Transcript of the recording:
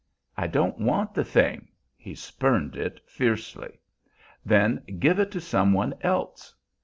"I don't want the thing." He spurned it fiercely. "Then give it to some one else."